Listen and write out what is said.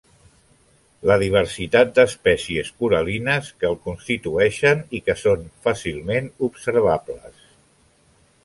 La diversitat d'espècies coral·lines que el constitueixen i que són fàcilment observables.